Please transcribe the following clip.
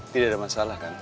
tidak ada masalah kan